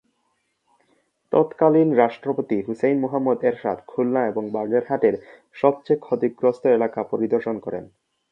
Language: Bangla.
তৎকালীন রাষ্ট্রপতি হুসেইন মুহাম্মদ এরশাদ খুলনা এবং বাগেরহাটের সবচেয়ে ক্ষতিগ্রস্ত এলাকা পরিদর্শন করেন।